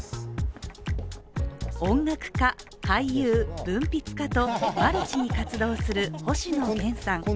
音楽家、俳優、文筆家とマルチに活動する星野源さん。